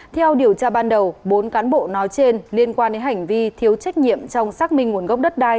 theo điều tra ban đầu bốn cán bộ nói trên liên quan đến hành vi thiếu trách nhiệm trong xác minh nguồn gốc đất đai